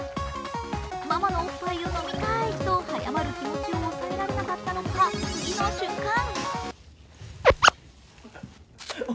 ママのおっぱいを飲みたいと早まる気持ちを抑えられなかったのか、次の瞬間